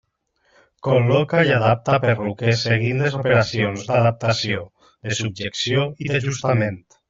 Col·loca i adapta perruques seguint les operacions d'adaptació, de subjecció i d'ajustament.